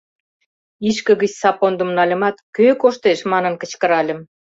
Ишке гыч сапондым нальымат, «Кӧ коштеш?» манын кычкыральым.